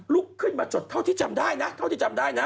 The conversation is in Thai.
ลุกขึ้นมาจดเท่าที่จำได้นะเท่าที่จำได้นะ